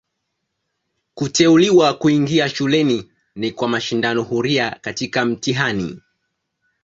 Kuteuliwa kuingia shuleni ni kwa mashindano huria katika mtihani.